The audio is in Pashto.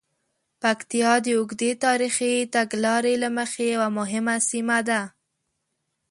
پکتیا د اوږدې تاریخي تګلارې له مخې یوه مهمه سیمه ده.